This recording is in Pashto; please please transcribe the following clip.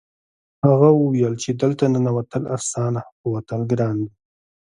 هغه وویل چې دلته ننوتل اسانه خو وتل ګران دي